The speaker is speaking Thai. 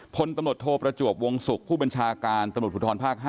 พลตำรวจโทประจวบวงศุกร์ผู้บัญชาการตำรวจภูทรภาค๕